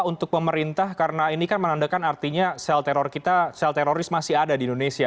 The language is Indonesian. apa untuk pemerintah karena ini kan menandakan artinya sel teroris masih ada di indonesia